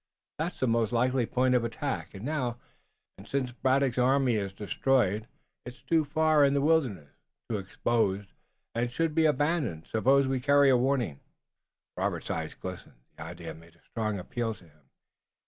That's the most likely point of attack, and now, since Braddock's army is destroyed it's too far in the wilderness, too exposed, and should be abandoned. Suppose we carry a warning!" Robert's eyes glistened. The idea made a strong appeal to him.